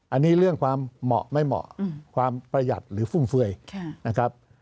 อันนี้เรื่องความเหมาะไม่เหมาะความประหยัดหรือฟุ่มเฟือยนะครับ